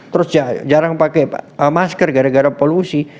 terus jarang pakai masker gara gara polusi